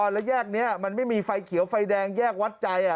และแยกนี้มันไม่มีไฟเขียวไฟแดงแยกวัดใจ